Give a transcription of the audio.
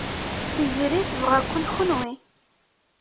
Tiziri tebɣa-ken kenwi.